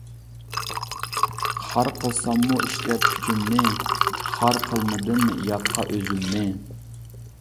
خار قىلساممۇ ئىشلەپ كۈچۈمنى، خار قىلمىدىم ياتقا ئۆزۈمنى.